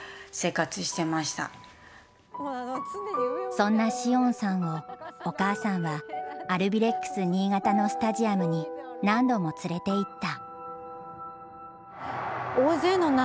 そんな詩音さんをお母さんはアルビレックス新潟のスタジアムに何度も連れていった。